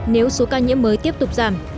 nếu số ca nhiễm mới tiếp tục giảm